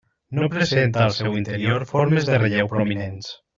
No presenta al seu interior formes de relleu prominents.